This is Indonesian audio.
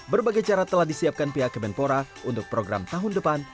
berbagai cara telah disiapkan pihak kemenpora untuk program tahun depan